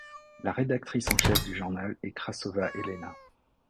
La rédactrice en chef du journal est Krasova Elena.